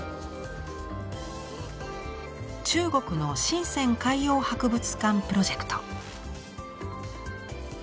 中国の深海洋博物館プロジェクト。